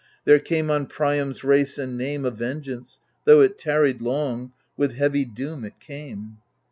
There came on Priam's race and name A vengeance ; though it tarried long, With heavy doom it came.